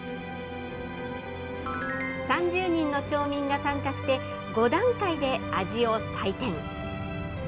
３０人の町民が参加して、５段階で味を採点。